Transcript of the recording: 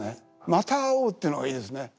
「また会おう」っていうのがいいですね。